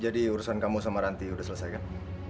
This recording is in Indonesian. jadi urusan kamu sama ranty udah selesai kan